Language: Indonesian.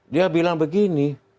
dia bilang begini